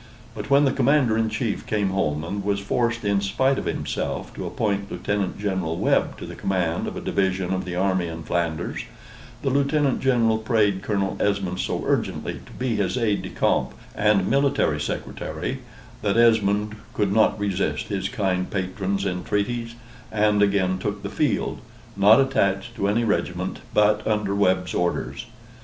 But when the Commander in Chief came home, and was forced, in spite of himself, to appoint Lieutenant General Webb to the command of a division of the army in Flanders, the Lieutenant General prayed Colonel Esmond so urgently to be his aide de camp and military secretary, that Esmond could not resist his kind patron's entreaties, and again took the field, not attached to any regiment, but under Webb's orders.